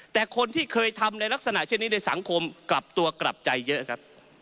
แต่คนที่เคยทำในลักษณะเช่นนี้ในสังคมกลับตัวกลับใจเยอะครับ